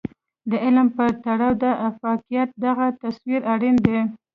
د علم په تړاو د افاقيت دغه تصور اړين دی.